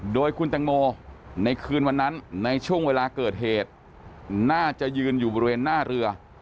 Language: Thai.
โดยคุณแตงโมในคืนวันนั้นในช่วงเวลาเกิดเหตุน่าจะยืนอยู่บริเวณหน้าเรือ